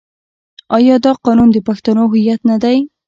آیا دا قانون د پښتنو هویت نه دی؟